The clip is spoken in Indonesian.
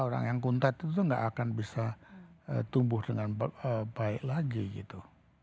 orang yang kuntat itu nggak akan bisa tumbuh dengan baik lagi gitu